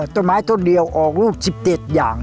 ต้นไม้ต้นเดียวออกรูป๑๗อย่าง